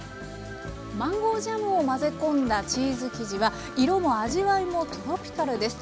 マンゴージャムを混ぜ込んだチーズ生地は色も味わいもトロピカルです。